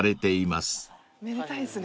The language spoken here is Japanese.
めでたいですね。